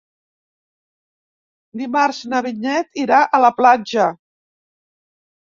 Dimarts na Vinyet irà a la platja.